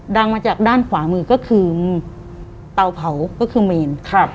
มาจากด้านขวามือก็คือเตาเผาก็คือเมนครับ